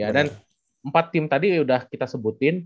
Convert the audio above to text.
dan empat tim tadi udah kita sebutin